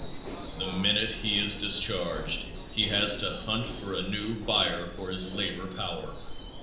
The minute he is discharged he has to hunt for a new buyer for his labor power.